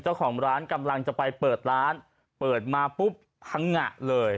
เจ้าของร้านกำลังจะไปเปิดร้านเปิดมาปุ๊บหังงะเลย